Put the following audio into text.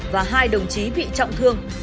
và hai đồng chí bị đưa ra xét xử